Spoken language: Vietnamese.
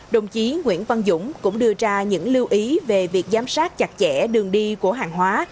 đồng chí nguyễn văn dũng cũng đưa ra những lưu ý về việc giám sát chặt chẽ đường đi của hàng hóa